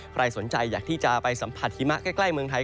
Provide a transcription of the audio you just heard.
ใครสนใจอยากที่จะไปสัมผัสหิมะใกล้เมืองไทย